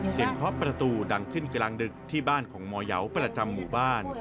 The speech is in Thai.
เคาะประตูดังขึ้นกลางดึกที่บ้านของหมอยาวประจำหมู่บ้าน